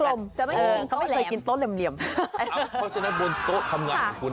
เออเขาไม่เคยกินโต๊ะแหลมเอ้าเพราะฉะนั้นบนโต๊ะทำงานของคุณ